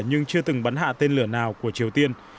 nhưng chưa từng bắn hạ tên lửa nào của triều tiên